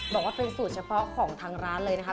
บอกว่าเป็นสูตรเฉพาะของทางร้านเลยนะคะ